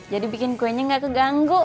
jadi bikin kuenya gak keganggu